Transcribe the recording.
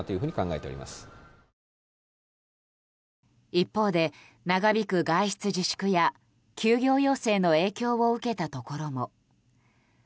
一方で、長引く外出自粛や休業要請の影響を受けたところも。